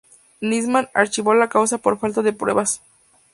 Nisman archivó la causa por falta de pruebas.